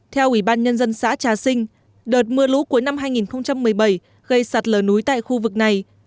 theo ủy ban nhân dân xã trà sinh đợt mưa lũ cuối năm hai nghìn một mươi bảy gây sạt lở núi tại khu vực này